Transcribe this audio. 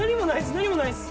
何もないです！